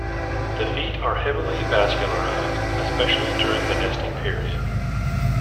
The feet are heavily vascularized, especially during the nesting period.